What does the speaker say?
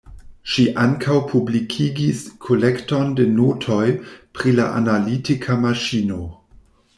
Ŝi ankaŭ publikigis kolekton de notoj pri la analitika maŝino.